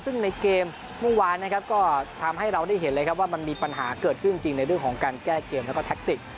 ซึ่งในเกมเมื่อวานนะครับก็ทำให้เราได้เห็นเลยครับว่ามันมีปัญหาเกิดขึ้นจริงในเรื่องของการแก้เกมแล้วก็แท็กติก